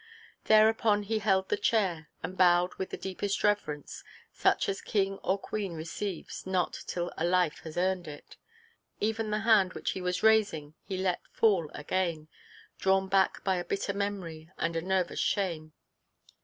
Thereupon he held the chair, and bowed with the deepest reverence, such as king or queen receives not till a life has earned it. Even the hand which he was raising he let fall again, drawn back by a bitter memory, and a nervous shame.